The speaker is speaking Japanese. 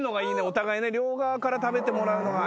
お互いね両側から食べてもらうのが一番いい。